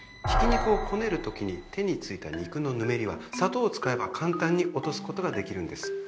ひき肉をこねるときに手に付いた肉のぬめりは砂糖を使えば簡単に落とすことができるんです。